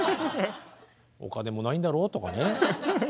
お金もないんだろうとかね。